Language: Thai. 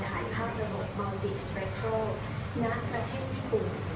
ถ่ายภาพระบบบางปีสเตรียลนักประเทศภูมิ